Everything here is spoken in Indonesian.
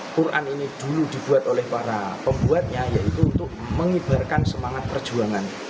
quran ini dulu dibuat oleh para pembuatnya yaitu untuk mengibarkan semangat perjuangan